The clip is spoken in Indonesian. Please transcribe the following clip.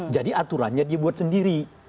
jadi aturannya dibuat sendiri